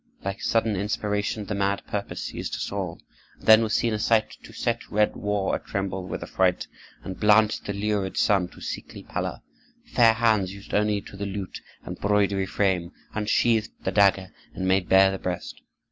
Like sudden inspiration, the mad purpose seized us all. And then was seen a sight to set red war atremble with affright, and blanch the lurid sun to sickly pallor. Fair hands, used only to the lute and broidery frame, unsheathed the dagger and made bare the breast.